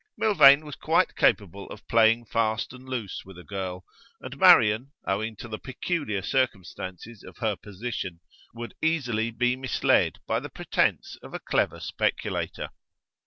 Milvain was quite capable of playing fast and loose with a girl, and Marian, owing to the peculiar circumstances of her position, would easily be misled by the pretence of a clever speculator.